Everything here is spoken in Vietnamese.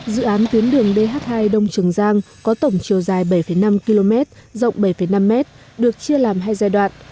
dự án tuyến đường dh hai đông trường giang có tổng chiều dài bảy năm km rộng bảy năm m được chia làm hai giai đoạn